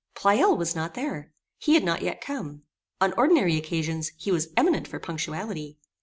Pleyel was not there. He had not yet come. On ordinary occasions, he was eminent for punctuality.